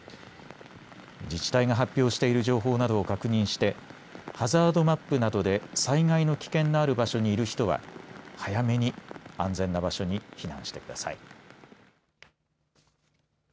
自治体が発表している情報などを確認してハザードマップなどで災害の危険のある場所にいる人は早めに安全な場所に避難してください。